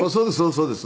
そうです。